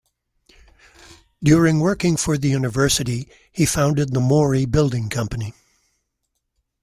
During working for the University, he founded the Mori Building Company.